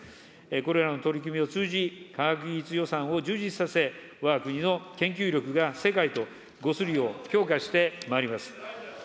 これらの取り組みを通じ、科学技術予算を充実させ、わが国の研究力が世界と伍するよう強化してまいります。